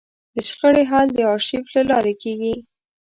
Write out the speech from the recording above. د شخړې حل د ارشیف له لارې کېږي.